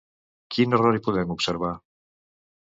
Quin error hi podem observar?